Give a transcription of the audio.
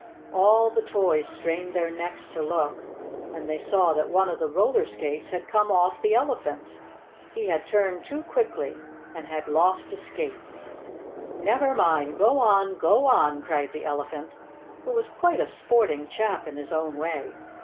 All the toys strained their necks to look, and they saw that one of the roller skates had come off the Elephant. He had turned too quickly, and had lost a skate. "Never mind! Go on! Go on!" cried the Elephant, who was quite a sporting chap in his own way.